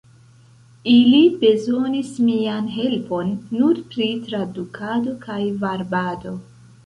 Ili bezonis mian helpon nur pri tradukado kaj varbado.